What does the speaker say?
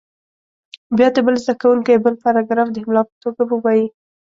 بیا دې بل زده کوونکی بل پاراګراف د املا په توګه ووایي.